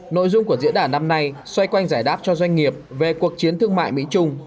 nội dung của diễn đàn năm nay xoay quanh giải đáp cho doanh nghiệp về cuộc chiến thương mại mỹ trung